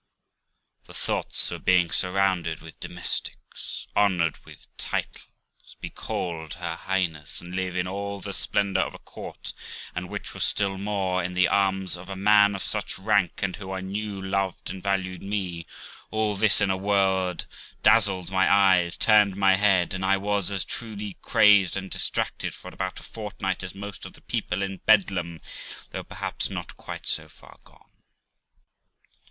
The thoughts of being surrounded with domestics, honoured with titles, be called her Highness, and live in all the splendour of a court, and, which was still more, in the arms of a man of such rank, and who, I knew, loved and valued me all this, in a word, dazzled my eyes, turned my head, and I was as truly crazed and distracted for about a fortnight as most of the people in Bedlam, though perhaps not quite so far gone.